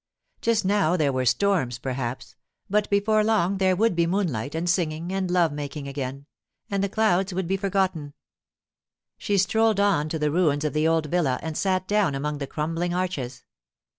Just now there were storms, perhaps, but before long there would be moonlight and singing and love making again, and the clouds would be forgotten. She strolled on to the ruins of the old villa and sat down among the crumbling arches.